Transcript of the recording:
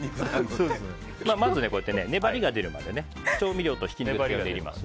まずは粘りが出るまで調味料とひき肉を練ります。